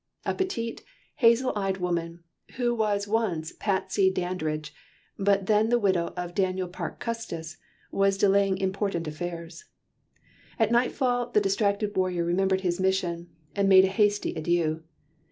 A petite hazel eyed woman she who was once Patsy Dandridge, but then the widow of Daniel Parke Custis was delaying important affairs. At night fall the distracted warrior remembered his mission, and made a hasty adieu.